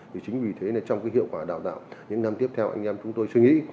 thì chính vì thế trong cái hiệu quả đào tạo những năm tiếp theo anh em chúng tôi suy nghĩ